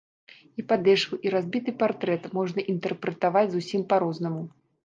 І падэшву, і разбіты партрэт можна інтэрпрэтаваць зусім па-рознаму.